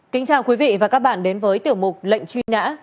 kính chào quý vị và các bạn đến với tiểu mục lệnh truy nã